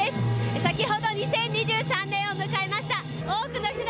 先ほど２０２３年を迎えました。